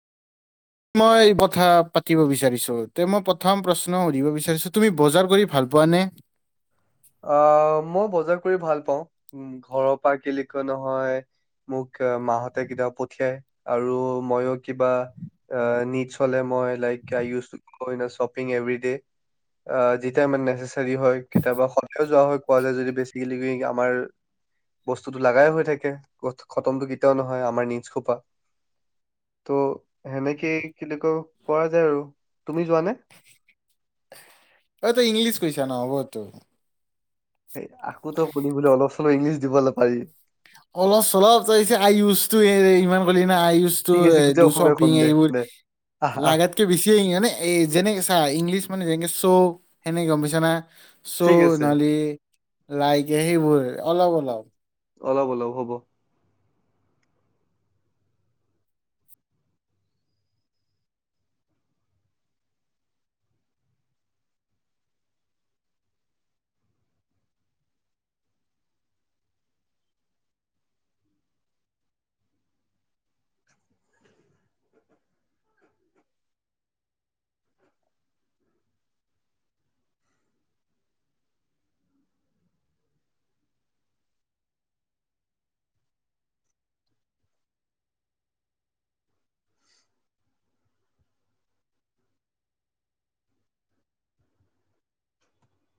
মই কথা পাতিব বিচাৰিছো তোমাক মই প্ৰথম প্ৰশ্ন সুধিব বিচাৰিছো তুমি বজাৰ কৰি ভাল পোৱানে? অ মই বজাৰ কৰি ভাল পাওঁ ঘৰৰ পৰা কি বুলি ক নহয় মোক মাহতে কেতিয়াবা পঠিয়াই আৰু মইয়ো কিবা নিডছ হলে মই লাইকই ইজ শ্বপিং এভি দে যেতিয়া মানে নেচচাৰী হয় কেতিয়াবা যোৱা হয় কোৱা যায় যদি বেচিকেলি আমাৰ বস্তুটো লগায়েই হৈ থাকে খতমতটো কেতিয়াও নহয় আমাৰ নিজ খোপা ত' সেনেকে কিন্ত ক কৰা যায় আৰু তুমি যোৱা নে অ তই ইংলিশ কইচা নহ'ব তো আকৌ তো ক বলে অলপ চলপ ইংলিছ দিবলৈ পাৰি অলপ চলপ তি আইয়চো ইমান কলে এতিয়া উস্ত টো ঠিক আছে গোটেই দুচ অসমীয়া কম পিনটো দে এইবোৰ দে আহ আহ লাগাত কৰে বেছি মানে যেনেকে চাহ ইংলিছ মানে যেনেকে চৌ সেনেকে গম পছানা চৌ ঠিক আছে। নালী লাইকে সেইবোৰ অলপ অলপ অলপ অলপ হ'ব